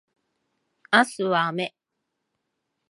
明日は雨